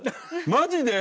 マジで？